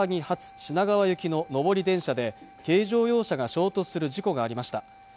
品川行きの上り電車で軽乗用車が衝突する事故がありました